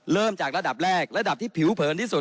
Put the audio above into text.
เริ่มจากระดับแรกระดับที่ผิวเผินที่สุด